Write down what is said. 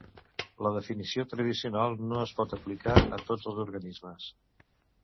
La definició tradicional no es pot aplicar a tots els organismes.